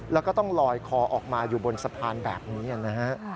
แล้วก็ต้องลอยคอออกมาอยู่บนสะพานแบบนี้นะฮะ